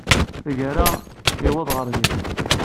Tagara, yewweḍ ɣer din.